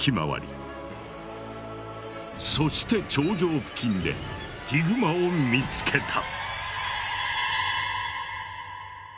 そして頂上付近でヒグマを見つけた。